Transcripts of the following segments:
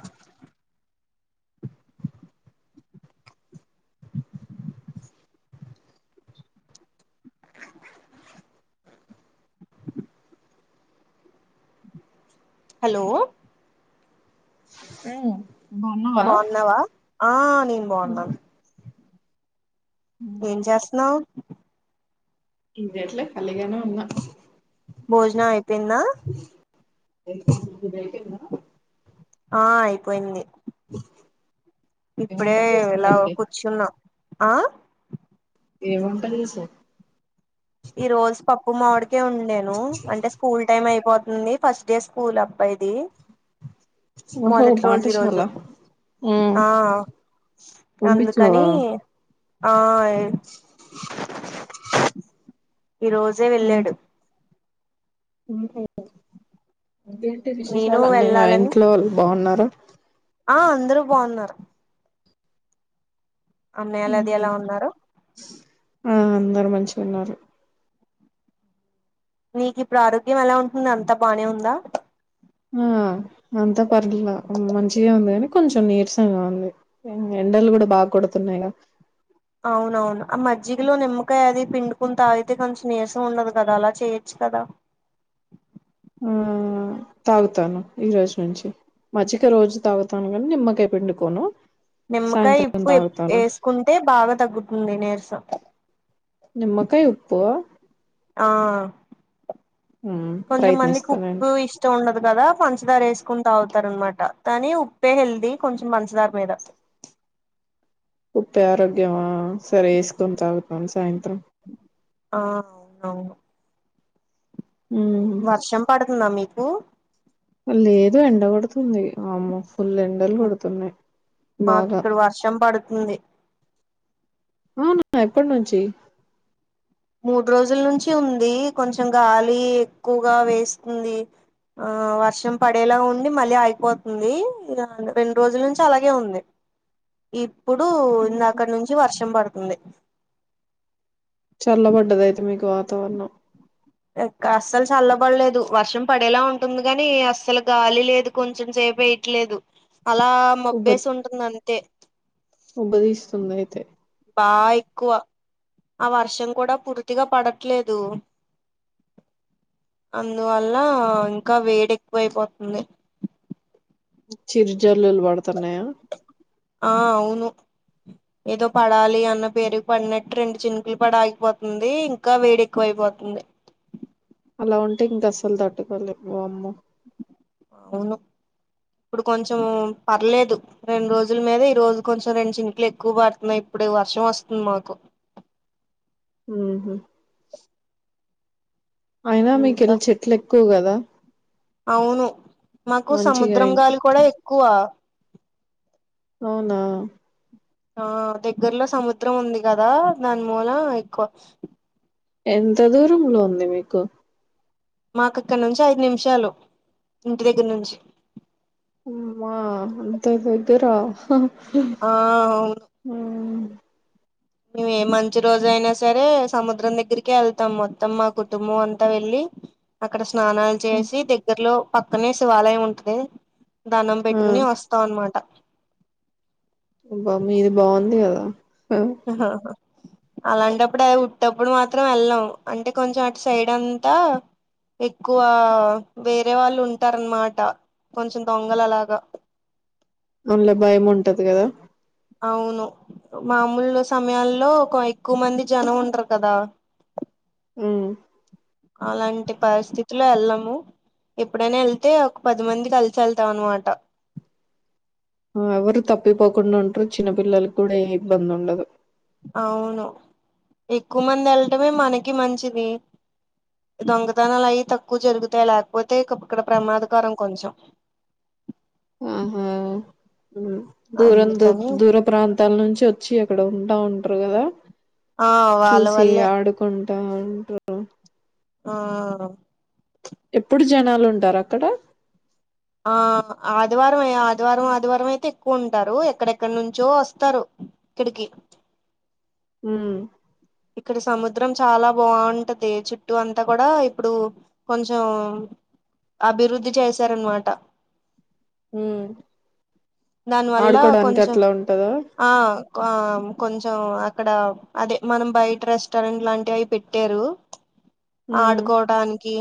ఆ హలో మ్ బావున్నావా బాగున్నావా ఆ నేను బాగున్నాను ఏం చేస్తున్నావ్ ఏం జెయట్లే ఖలిగానే ఉన్నా భోజనం అయిపోయిందా అయిపోయింది నీది అయిపోయిందా ఆ అయిపోయింది ఏం వంట ఇప్పుడే ఇలా చేసావంటే కూర్చున్నాం ఏమింటుంది సా ఈ రోజు పప్పు మామిడికాయ వండేను అంటే స్కూల్ టైమ్ అయిపోతుంది ఫస్ట్ డే స్కూల్ అబ్బాయిది ఓహో మొదటి రోజు పాఠశాల ఈరోజు ఉమ్ ఆ పంపించావా అందుకని ఆ ఈ రోజే వెళ్ళాడు ఏంటే నేను విశేషాలు అన్నయ్య వెళ్ళాలని ఇంట్లో వాళ్ళు బావున్నారా ఆ అందరూ బావున్నారు అన్నయ్య ఆల్ అది ఉమ్ ఎలా ఉన్నారు ఆ అందరు మంచిగా ఉన్నారు నీకు ఇప్పుడు ఆరోగ్యం ఎలా ఉంటంది అంతా బానే ఉందా? ఆ అంతా పర్లా మంచిగా ఉంది కాని కొంచెం నీరసంగా ఉంది ఎండలు కూడా బాగా కొడుతున్నాయ్ గా అవునవును ఆ మజ్జిగలో నిమ్మకాయ అది పిండుకుని తాగితే కొంచెం నీరసం ఉండదు కదా అలా చేయొచ్చు కదా ఉమ్ తాగుతాను ఈ రోజు నుంచి మచ్చిక రోజు తాగుతాను కాని నిమ్మకాయ పిండుకోను నిమ్మకాయ సాయంత్రం ఇప్ ఎప్ తాగుతాను వేసుకుంటే బాగా తగ్గుతుంది నీరసం నిమ్మకాయ ఉప్పు ఆ ఉమ్ కొంచెం మందికి ప్రయత్నిస్తానండి ఉప్పు ఇష్ ఇష్టం ఉండదు కదా పంచదార వేసుకుని తాగుతారు అనమాట కానీ ఉప్పే హెల్దీ కొంచెం పంచదార మీద ఉప్పే ఆరోగ్యమా సరే వేసుకోన్ తాగుతాన్ సాయంత్రం ఆ అవునవును ఉమ్ వర్షం పడుతుందా మీకు? లేదు ఎండ కొడుతుంది ఆమ్మో ఫుల్ ఎండలు కొడుతున్నాయ్ మాకి ఇక్కడు వర్షం పడ్తుంది అవునా ఎప్పట్నుంచి మూడు రోజుల్నుంచి ఉంది కొంచెం గాలి ఎక్కువగా వేస్తుంది ఆ వర్షం పడేలా ఉండి మళ్ళీ ఆగిపోతుంది ఇగ రెండు రోజుల నుంచి అలాగే ఉంది ఇప్పుడు ఉమ్, ఇందాకడ్నుంచి వర్షం పడుతుంది చల్లబడ్డది అయితే మీకు వాతావరణం ఎక్ అస్సలు చల్లబడ్లేదు వర్షం పడేలా ఉంటుంది కాని అస్సలు గాలి లేదు కొంచెం సేపు ఐ ట్లేదు అలా ఉబ్బ మబ్బేసి ఉంటుంది అంతే ఉబ్బదీస్తుంది అయితే బా ఎక్కువ ఆ వర్షం కూడా పూర్తిగా పడట్లేదు అందువల్ల ఇంకా వేడి ఎక్కువ ఐపోత్మ్ది చిరు జల్లులు పడుతున్నాయా? ఆ అవును ఏదో పడాలి అన్న పేరు పడినట్టు రెండు చినుకులు పడి ఆగిపోతుంది ఇంకా వేడి ఎక్కువైపోతుంది అలా ఉంటే ఇంకా అస్సలు తట్టుకోలేము వామ్మో అవును ఇప్పుడు కొంచెం పర్లేదు రెండు రోజుల మీద ఈ రోజు కొంచెం రెండు చింకులు ఎక్కువ పడుతున్నాయి ఇప్పుడు వర్షం వస్తుంది మాకు ఊహు [unintelligible] అయినా ఇంకా మీకెళ్ చెట్లెక్కువ కదా? అవును మాకు మంచిగా సముద్రం ఇన్- గాలి కూడా ఎక్కువ అవునా ఆ దెగ్గరలో సముద్రం ఉంది కదా దాని మూల ఎక్కువ ఎంత దూరంలో ఉంది మీకు? మాకు ఇక్కడ నుంచి ఐదు నిమిషాలు ఇంటి దెగ్గర నుంచి మ్మా అంత దెగ్గరా? ఆ అవును ఉమ్ మేము ఏ మంచి రోజు అయినా సరే సముద్రం దగ్గరికే వెళ్తాం మొత్తం మా కుటుంబం అంతా వెళ్ళి అక్కడ స్నానాలు చేసి దగ్గరలో పక్కనే శివాలయం ఉంటది దండం పెట్టుకుని వస్తు వస్తాం అన్నమాట ఆబ్బా మీది బాగుంది కదా ఆహ అలాంటప్పుడు అది ఉట్టప్పుడు మాత్రం వెళ్ళం అంటే కొంచెం అటు సైడ్ అంతా ఎక్కువ వేరే వాళ్ళు ఉంటారనమాట కొంచెం దొంగలలాగా అందులో భయం ఉంటది కదా అవును మామూలు సమయాల్లో ఒక ఎక్కువ మంది జనం ఉంటారు. కదా హ్మ్మ్ అలాంటి పరిస్థితులో వెళ్ళము ఎప్పుడైనా వెళ్తే ఒక పది మంది కలిసి వెళ్తాం. అనమాట ఎవరు తప్పిపోకుండా ఉంటరు చిన్న పిల్లలకి కూడా ఏ ఇబ్బంది ఉండదు. అవును ఎక్కువ మంది వెళటమే మనకి మంచిది. దొంగతనాలు అవి తక్కువ జరుగుతాయి లేకపోతే ఇక్కడ ప్రమాదకరం కొంచెం హ్మ్మ్ దూరం దూ అందుకని దూర ప్రాంతాల నుంచి వచ్చి అక్కడ ఉంటా ఉంటారు. కదా ఆ వాళ్ళ చూసి వల్లే ఆడుకుంటా అంటారు. ఆ ఎప్పుడు జనాలు ఉంటారా అక్కడ ఆ ఆదివారం ఆదివారం ఆదివారం అయితే ఎక్కువ ఉంటారు. ఎక్కడెక్కడి నుంచో వస్తారు. ఇక్కడికి ఉం ఇక్కడ సముద్రం చాలా బాగుంటది. చుట్టూ అంతా కూడా ఇప్పుడు కొంచెం అభివృద్ధి చేశారనమాట. హ దాని వల్ల ఆడుకోడానికి కొంచెం అట్లా ఉంటందా. ఆ కొంచెం అక్కడ అదే మనం బయట రెస్టారెంట్ లాంటివి అవి పెట్టారు. హ్మ్. ఆడుకోవడానికి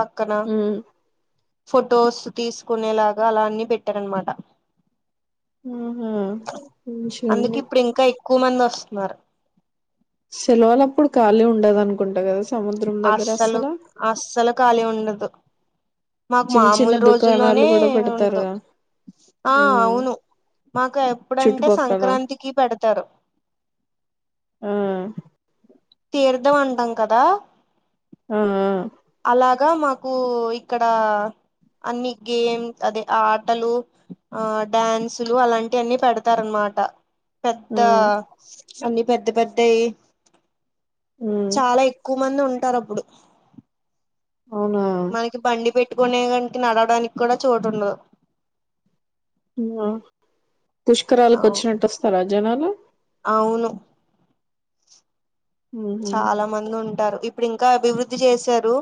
పక్కన హ్మ్. ఫొటోస్ తీసుకునేలాగా అలా అన్ని పెట్టారనమాట. ఆహా అందుకే మంచిగుంది ఇప్పుడు ఇంకా ఎక్కువ మంది వస్తున్నారు. సెలవులు అప్పుడు ఖాళీ ఉండదు అనుకుంటా కదా సముద్రం దగ్గర అస్సలు అస్సలు ఖాళీ ఉండదు. మాకు చిన్న చిన్న మామూలు రోజుల్లోనే దుకాణాలు కూడా ఉండదు. పెడతారుగా ఆ ఉమ్ అవును మాకు ఎప్పుడంటే చుట్టుపక్కల సంక్రాంతికి పెడతారు. ఆ తీర్దం అంటాం. కదా ఆ అలాగా మాకు ఇక్కడ అన్ని గేమ్ అదే ఆ ఆటలు ఆ డ్యాన్సులు అలాంటి అన్నిీ పెడతారనమాట పెద్ద ఉమ్ అన్ని పెద్ద పెద్దయి ఉమ్ చాలా ఎక్కువ మంది ఉంటారు. అప్పుడు అవునా మనకి బండి పెట్టుకునేకి నడవడానికి కూడా చోటు ఉండదు. పుష్కరాలకు అవు వచ్చినట్టు వస్తారా జనాలు అవును ఉహు చాలా మంది ఉంటారు ఇప్పుడు ఇంకా అభివృద్ధి చేశారు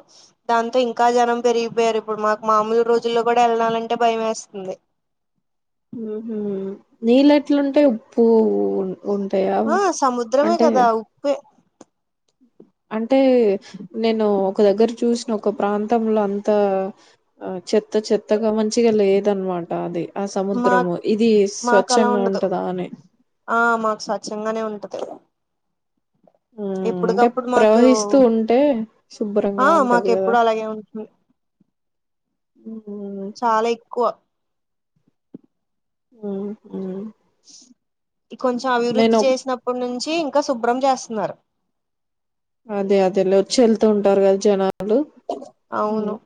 దాంతో ఇంకా జనం పెరిగిపోయారు ఇప్పుడు మాకు మామూలు రోజుల్లో కూడా వెళ్ళనాలంటే భయం వేస్తుంది నీళ్ళెట్లుంటయి ఉప్పు ఉంటాయా ఆ సముద్రమే అంటే కదా ఉప్పే అంటే నేను ఒక దగ్గర చూసిన ఒక ప్రాంతంలో అంత ఆ చెత్త చెత్తగా మంచిగా లేదనమాట అది ఆ సముద్రము మాకు ఇది మాకు అలా స్వచ్ఛంగా ఉండదు ఉంటదా అని ఆ మాకు స్వచ్ఛంగానే ఉంటది మ్మ్ అంటే ఎప్పటికప్పుడు మాకు ప్రవహిస్తూ ఉంటే ఆ శుభ్రంగా మాకు ఉంటది కదా ఎప్పుడు అలాగే ఉంటుంది ఉ హు చాలా ఎక్కువ ఉమ్ హు కొంచెం అభివృద్ధి చేసినప్పుడు నుంచి ఇంకా శుభ్రం చేస్తున్నారు అదే అదే వచ్చి వెళ్తూ ఉంటారు కదా జనాలు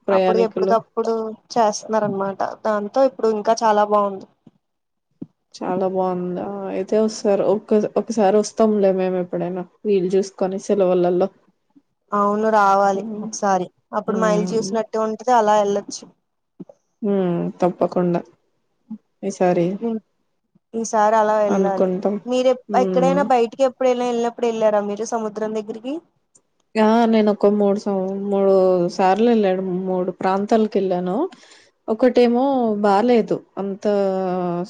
ప్రయాణికులు ఇప్పుడు చేస్తున్నారు అనమాట దాంతో ఇప్పుడు ఇంకా చాలా బాగుంది చాలా బాగుందా అయితే వస్తారు ఒక ఒక ఒకసారి వస్తాములే మేము ఎప్పుడైనా వీళ్ళు చూస్తా అవును రావాలి మ్మ్ ఒకసారి అప్పుడు మా ఇల్ మ్మ్ చూసినట్టు నట్టు ఉంటది అలా వెళ్లొచ్చు ఉ తప్పకుండా ఈ సారి ఈసారి అలా వెళ్ళాలి అనుకుంటాం మీరు ఉమ్ ఎక్కడైనా బయటికి ఇప్పుడైనా వెళ్ళినప్పుడు వెళ్ళారా మీరు సముద్రం దగ్గరికి ఆ నేను ఒక మూడు మూడు సార్లు వెళ్లాను మూడు ప్రాంతాలకు వెళ్ళాను ఒకటేమో బాలేేదు అంత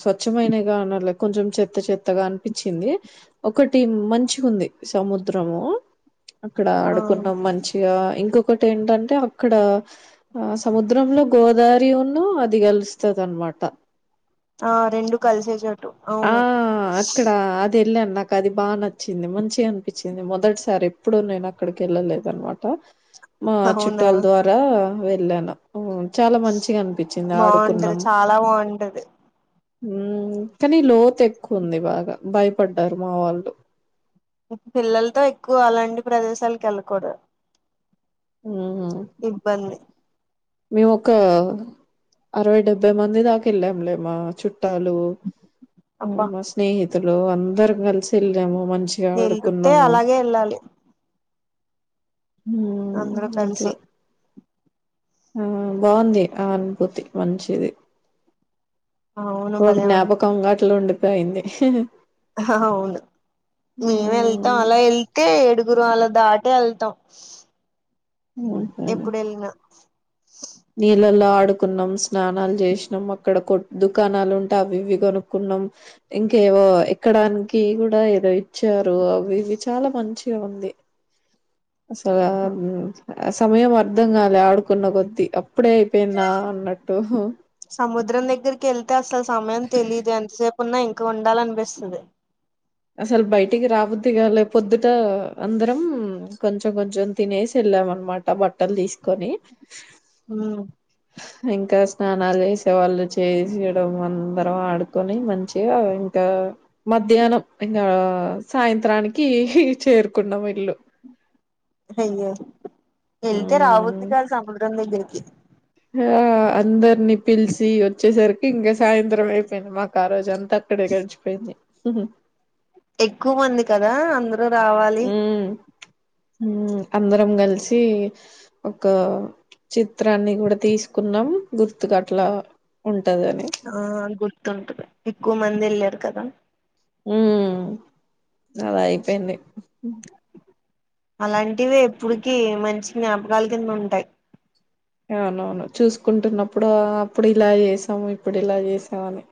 స్వచ్ఛమైనగా అనలే కొంచెం చెత్త చెత్త చేత్తగా అనిపించింది ఒకటి మంచిగా ఉంది సముద్రము అక్కడ ఆ ఆడుకున్నాం మంచి ఇంకొకటి ఏంటంటే అక్కడ ఆ సముద్రంలో గోదావరి వరి ఉన్ను అది కలుస్తది అనమాట ఆ రెండు కలిసే చోటు ఆ అవును అక్కడ అది వెళ్ళాను నాకు అది బాగా నచ్చింది మంచి అనిపించింది మొదటిసారి ఎప్పుడు నేను అక్కడికి వెళ్ళలేదు అనమాట మా అవునా చుట్టాల ద్వారా వెళ్ళాను చాలా మంచిగా అనిపించింది బాగుంటది ఆడుకున్నాం చాలా బాగుంటది కానీ లోతు ఎక్కువ ఉంది బాగా భయపడ్డారు మా వాళ్ళు పిల్లలతో ఎక్కువ అలాంటి ప్రదేశాలకి వెళ్ళకూడదు ఉ హు ఇబ్బంది మేము ఒక అరవై డెబ్బై మంది దాకా వెళ్ళాంలే మా చుట్టాలు అబ్బా మా స్నేహితులు అందరు కలిసి వెళ్ళాము మంచి గా ఆడుకున్నాము ఎళ్ళాలి హ్మ్. అందరూ అట్లా. కలిసి ఆ బాగుంది ఆ అనుభూతి మంచిది అవును ఓ భలే ఉంటుంది జ్ఞాపకంగా అట్లా ఉండిపోయింది హా హా అవును మేము వెళ్తాం హ్మ్ అలా వెళ్తే ఏడుగురు అలా దాటే వెళ్తాం హ్మ్ ఎప్పుడు వెళ్ళిన నీళ్ళల్లో ఆడుకున్నాం స్నానాలు చేసినాం అక్కడ కొట్ దుకాణాలు ఉంటే అవి ఇవి కొనుక్కున్నాం ఇంకేవో ఎక్కడానికి కూడా ఏదో ఇచ్చారు అవి ఇవి చాలా మంచిగా ఉంది అసలు అవును సమయం అర్ధం కాలే ఆడుకున్న కొద్దీ అప్పుడే అయిపోయిందా అన్నట్టు సముద్రం దగ్గరికి వెళ్తే అసలు సమయం తెలీదు ఎంతసేపు ఉన్నా ఇంకా ఉండాలని అనిపిస్తది అసలు బయటికి రాబుద్ధి కాలే పొద్దుట అందరం కొంచెం కొంచెం తినేసి వెళ్ళాం అనమాట బట్టలు తీసుకొని ఉ ఇంకా స్నానాలు చేసే వాళ్ళు చేయడం అందరం ఆడుకొని మంచిగా ఇంకా మధ్యాహ్నం ఇంకా సాయంత్రానికి చేరుకున్నాం ఇల్లు అయ్యో వెళ్తే రాబుద్ధి కాదు సముద్రం దగ్గరికి ఆ అందరినీ పిలిచి వచ్చేసరికి ఇంగ సాయంత్రం అయిపోయింది మాకు ఆ రోజు అం త అక్కడే గడిచిపోయింది హు హు ఎక్కువ మంది కదా అందు నువ్వు రావా ఉ ఉ అందరం కలిసి ఒక చిత్రాన్ని కూడా తీసుకున్నాం గుర్తుకు అట్లా ఉంటది ఆ గుర్తుంటది ఎక్కువ మంది వెళ్ళారు కదా ఉ అలా అయిపోయింది అలాంటివి ఎప్పుడుకి మంచి జ్ఞాపకాలు కింద ఉంటాయి అవునవును చూసుకుంటున్నప్పుడు అప్పుడు ఇలా చేసాము ఇప్పుడు ఇలా చేసాము అని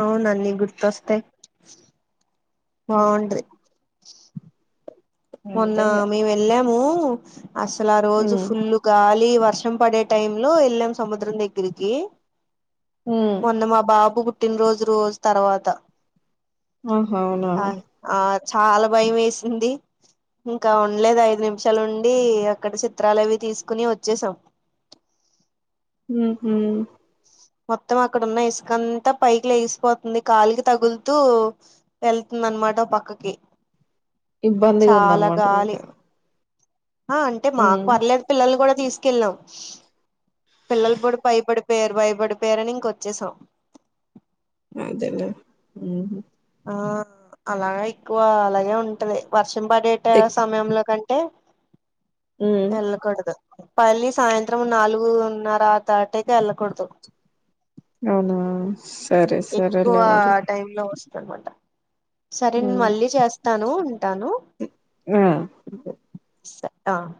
అవును ఆన్నీ గుర్తు వస్తాయ్ బావుంటది మొన్న అంతే ఇగ మేము వెళ్ళాము అసలు ఆ రోజు హ్మ్ పుల్ గాలి వర్షం పడే టైమ్ లో వేళ్ళం సముద్రం దగ్గరికి హ్మ్ మొన్న మా బాబు పుట్టినరోజు రోజు తర్వాత ఆహా అవునా ఆ ఆ చాలా భయం వేసింది ఇంకా ఉండలేదు ఐదు నిమిషాలుండి అక్కడ చిత్రాలు అవి తీసుకుని వచ్చేసాం ఉహు మొత్తం అక్కడ ఉన్న ఇసుకంతా పైకి లేగిసిపోతుంది కాలికి తగులుతూ వెళ్తుంది అనమాట పక్కకి ఇబ్బందిగా ఉంది చాలా అనమాట గాలి మీకు ఆ అంటే మాకు హ్మ్ పర్లేదు పిల్లలు కూడా తీసుకెళ్ళినం పిల్లలు కూడా బయపడి పోయారు భయబడిపోయారని ఇంక వచ్చేసాం అదేలే ఉ ఆ అలాగ ఎక్కువ అలాగే ఉంటది వర్షిం పడేట ఎక్ సమయంలో కంటే హ్మ్ వెళ్ళకూడదు పల్లీ సాయంత్రం నాలుగున్నర తాటేకి వెళ్ళకూడదు. అవునా. సరే ఎక్కువ సరేలే మరి టైమ్ లో వస్తుందిన్నమాట. సరే నేను హ్మ్ మళ్ళీ చేస్తాను ఉంటాను. ఆ స ఆహ్ ఆహ్.